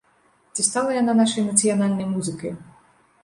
Ці стала яна нашай нацыянальнай музыкай?